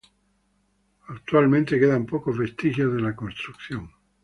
Actualmente quedan pocos vestigios de la construcción.